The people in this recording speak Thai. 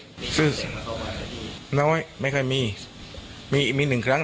มีแจ้งมาเข้ามาก็ดีน้อยไม่ค่อยมีมีมีหนึ่งครั้ง